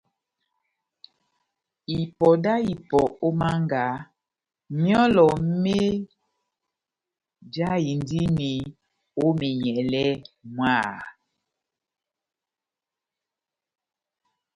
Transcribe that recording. Ipɔ dá ipɔ ó mánga, myɔlɔ méjahindini ó menyɛlɛ mwaaaha !